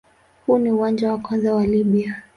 Huu ni uwanja wa kwanza wa Libya.